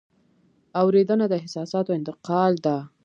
اورېدنه د احساساتو انتقال ده.